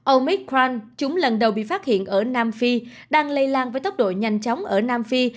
omic krand chúng lần đầu bị phát hiện ở nam phi đang lây lan với tốc độ nhanh chóng ở nam phi